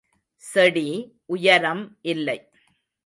செடி உயரம் இல்லை.